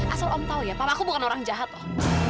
asal om tau ya papa aku bukan orang jahat loh